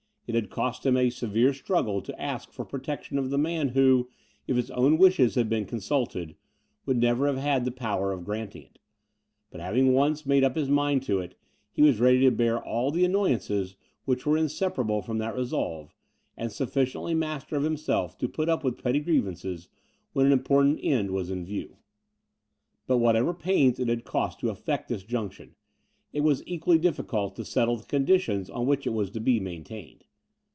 It had cost him a severe struggle to ask for protection of the man who, if his own wishes had been consulted, would never have had the power of granting it: but having once made up his mind to it, he was ready to bear all the annoyances which were inseparable from that resolve, and sufficiently master of himself to put up with petty grievances, when an important end was in view. But whatever pains it had cost to effect this junction, it was equally difficult to settle the conditions on which it was to be maintained.